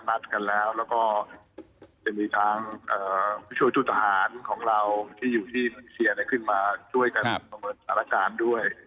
นัดกันแล้วแล้วก็จะมีทางช่วยทุกทหารของเราที่อยู่ที่เซียก็ขึ้นมาช่วยกันด้วย